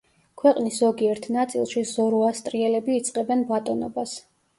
ქვეყნის ზოგიერთ ნაწილში ზოროასტრიელები იწყებენ ბატონობას.